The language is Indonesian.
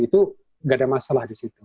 itu nggak ada masalah di situ